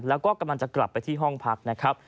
แล้วก็กำลังจะกลับไปที่ห้องพักนะครับ